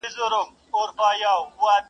زه اوسېږمه زما هلته آشیانې دي،